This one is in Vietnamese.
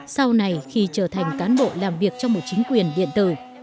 sau này khi trở thành cán bộ làm việc trong một chính quyền điện tử